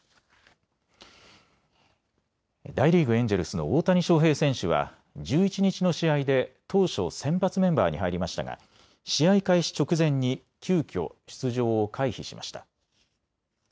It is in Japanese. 大リーグ、エンジェルスの大谷翔平選手は１１日の試合で当初、先発メンバーに入りましたが試合開始直前に急きょ出場を回避しました。